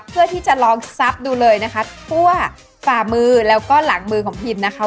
เพื่อที่จะลองซับดูเลยนะคะทั่วฝ่ามือแล้วก็หลังมือของพิมนะคะ